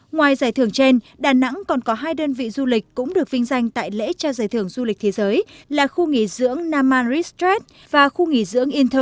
ngoài giải thưởng trên đà nẵng còn có hai đơn vị du lịch cũng được vinh danh tại lễ trao giải thưởng du lịch thế giới là khu nghỉ dưỡng naman restret và khu nghỉ dưỡng naman restret